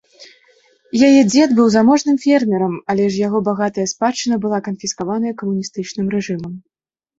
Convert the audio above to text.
Яе дзед быў заможным фермерам, але ж яго багатая спадчына была канфіскаваная камуністычным рэжымам.